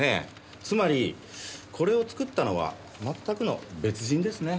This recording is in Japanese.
つまりこれを作ったのは全くの別人ですね。